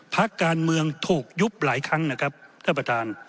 พักการเมืองถูกยุบหลายครั้งนะครับท่านประธาน